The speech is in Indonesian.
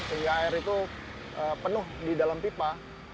sehingga air itu penuh di dalam pipa